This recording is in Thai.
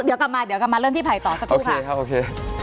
เดี๋ยวกลับมาเดี๋ยวกลับมาเริ่มที่ไผ่ต่อสักครู่ค่ะสวัสดีครับโอเค